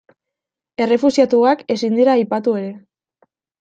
Errefuxiatuak ezin dira aipatu ere.